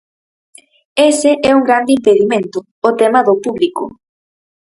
Ese é un grande impedimento, o tema do público.